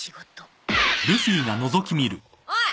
おい。